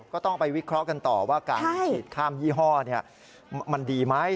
ก็ต้องไปวิเคราะห์กันต่อว่าการฉีดข้ามยี่ห้อมันดีไหม